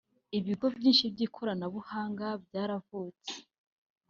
Ibigo byinshi by’ikoranabuhanga byaravutse